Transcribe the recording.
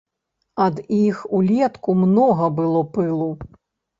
Ад іх улетку многа было пылу.